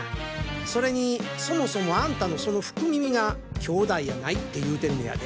それにそもそもアンタのその福耳が兄弟やないって言うてるんやで！